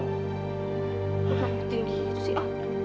gak penting gitu sih